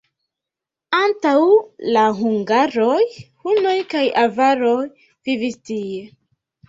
Antaŭ la hungaroj hunoj kaj avaroj vivis tie.